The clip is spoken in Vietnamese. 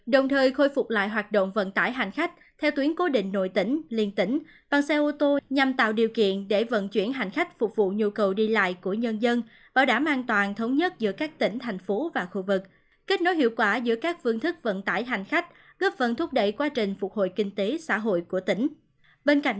đồng thời khôi phục lại hoạt động vận tải hành khách theo tuyến cố định nội tỉnh liên tỉnh bằng xe ô tô nhằm tạo điều kiện để vận chuyển hành khách phục vụ nhu cầu đi lại của nhân dân bảo đảm an toàn thống nhất giữa các tỉnh thành phố và khu vực kết nối hiệu quả giữa các phương thức vận tải hành khách góp phần thúc đẩy quá trình phục hồi kinh tế xã hội của tỉnh